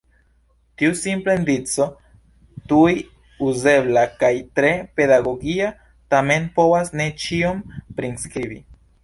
Tiu simpla indico, tuj uzebla kaj tre pedagogia tamen povas ne ĉion priskribi.